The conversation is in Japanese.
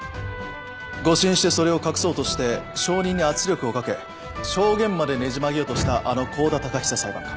誤審してそれを隠そうとして証人に圧力をかけ証言までねじ曲げようとしたあの香田隆久裁判官。